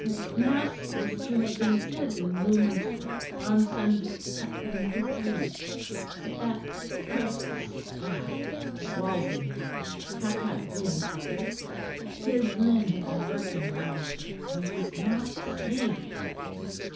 "M Mass was to have been said in Newman's Court on Sunday, at number 3, but that c cursed spy Walsingham, hath had wind of it. His men have been lurking round there; and it is not safe.